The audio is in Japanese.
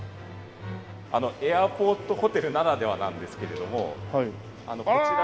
エアポートホテルならではなんですけれどもこちらに。